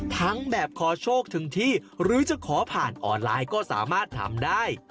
ทั้งแบบขอโชคถึงที่หรือจะขอผ่านออนไลน์ก็สามารถทำได้